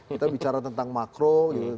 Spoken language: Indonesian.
kita bicara tentang makro gitu